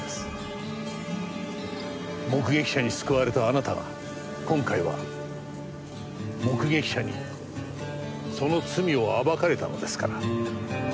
目撃者に救われたあなたが今回は目撃者にその罪を暴かれたのですから。